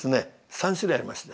３種類ありまして。